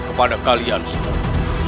kepada kalian semua